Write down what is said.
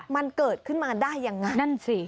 มันเกิดขึ้นมาได้ยังไง